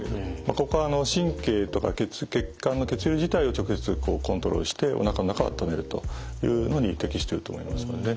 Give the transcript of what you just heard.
ここは神経とか血管の血流自体を直接コントロールしておなかの中をあっためるというのに適してると思います。